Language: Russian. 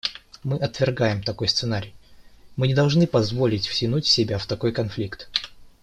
Мы отвергаем такой сценарий; мы не должны позволить втянуть себя в такой конфликт.